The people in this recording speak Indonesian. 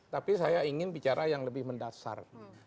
tapi saya ingin bicara yang lebih mendasar